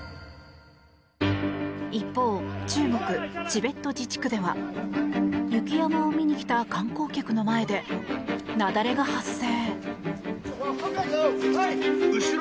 一方、中国・チベット自治区では雪山を見に来た観光客の前で雪崩が発生。